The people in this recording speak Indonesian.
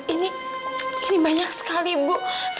ini ini banyak sekali bu